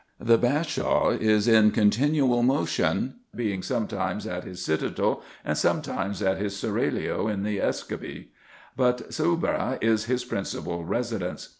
The Bashaw is in continual motion, being sometimes at his citadel, and sometimes at his seraglio in the Esbakie ; but Soubra is his principal residence.